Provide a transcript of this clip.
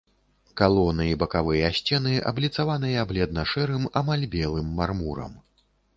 Калоны і бакавыя сцены абліцаваныя бледна-шэрым, амаль белым мармурам.